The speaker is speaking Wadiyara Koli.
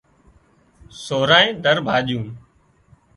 سورانئي ڌر ڀاڄون